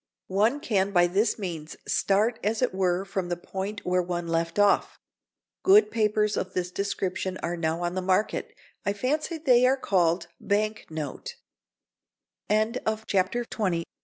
One can by this means start as it were from the point where one left off. Good papers of this description are now on the market. I fancy they are called "bank note" papers.